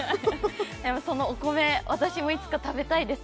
そのお米、私もいつか食べたいです。